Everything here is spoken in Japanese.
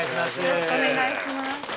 よろしくお願いします。